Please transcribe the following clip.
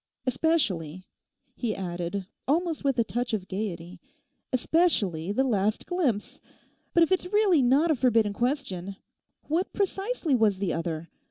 Especially,' he added almost with a touch of gaiety, 'especially the last glimpse. But if it's really not a forbidden question, what precisely was the other?